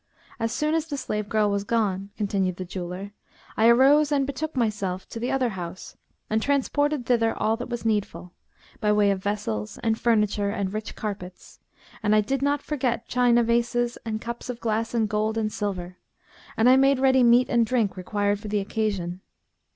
As soon as the slave girl was gone" (continued the jeweller), "I arose and betook myself to my other house and transported thither all that was needful, by way of vessels and furniture and rich carpets; and I did not forget china vases and cups of glass and gold and silver; and I made ready meat and drink required for the occasion.